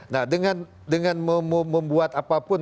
nah dengan membuat apapun